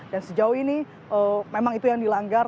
dan sejauh ini memang itu yang dilanggar